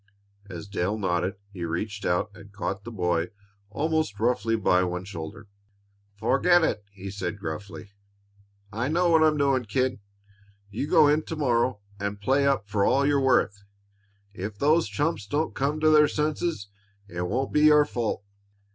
As Dale nodded he reached out and caught the boy almost roughly by one shoulder. "Forget it!" he said gruffly. "I know what I'm doing, kid. You go in to morrow and play up for all you're worth. If if those chumps don't come to their senses, it won't be your fault."